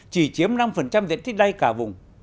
chỉ chiếm năm diện tích đay cả vùng